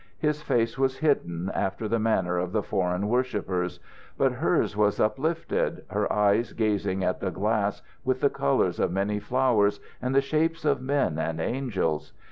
His face was hidden, after the manner of the foreign worshipers; but hers was uplifted, her eyes gazing at the glass with the colours of many flowers and the shapes of men and angels.